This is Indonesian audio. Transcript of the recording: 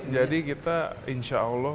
jadi kita insya allah